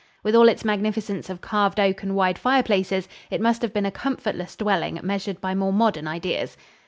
With all its magnificence of carved oak and wide fireplaces, it must have been a comfortless dwelling measured by more modern ideas.